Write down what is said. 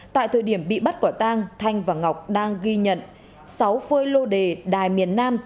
tại thời điểm bị bắt quả tang thanh và ngọc đang ghi nhận sáu phơi lô đề đài miền nam